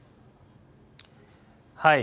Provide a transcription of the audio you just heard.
はい。